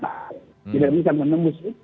tidak bisa menembus itu